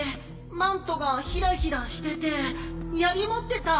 マントがひらひらしててやり持ってた。